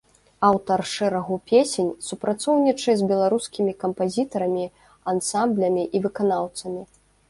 Аўтар шэрагу песень, супрацоўнічае з беларускімі кампазітарамі, ансамблямі і выканаўцамі.